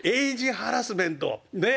ハラスメントねっ。